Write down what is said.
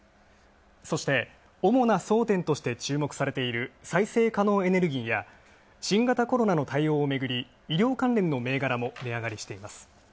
そして主な争点として注目されている再生可能エネルギーや新型コロナの対応をめぐり医療関連の銘柄も値上がりしています。